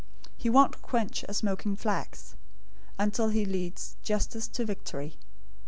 He won't quench a smoking flax, until he leads justice to victory.